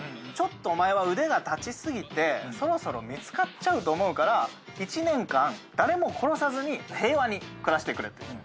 ちょっとおまえは腕が立ちすぎてそろそろ見つかっちゃうと思うから１年間誰も殺さずに平和に暮らしてくれって。